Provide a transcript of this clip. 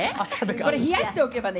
これ冷やしておけばね